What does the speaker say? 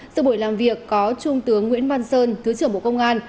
từ buổi làm việc có trung tướng nguyễn văn sơn thứ trưởng bộ công an